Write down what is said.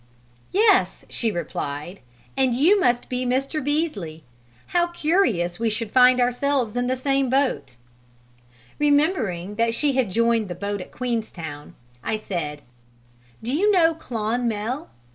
"Yes," she replied, "and you must be Mr. Beesley; how curious we should find ourselves in the same boat!" Remembering that she had joined the boat at Queenstown, I said, "Do you know Clonmel?